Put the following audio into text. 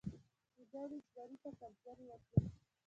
ګیدړې زمري ته ښکنځلې وکړې.